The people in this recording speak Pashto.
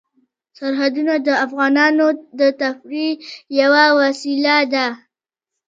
سرحدونه د افغانانو د تفریح یوه وسیله ده.